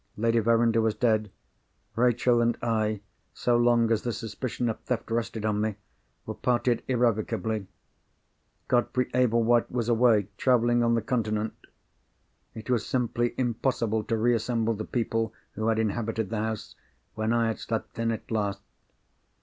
Lady Verinder was dead. Rachel and I, so long as the suspicion of theft rested on me, were parted irrevocably. Godfrey Ablewhite was away travelling on the Continent. It was simply impossible to reassemble the people who had inhabited the house, when I had slept in it last.